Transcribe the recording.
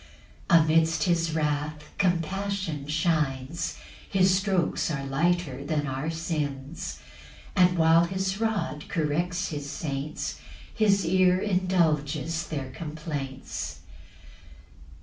5 Amidst his wrath compassion shines; His strokes are lighter than our sins; And while his rod corrects his saints, His ear indulges their complaints.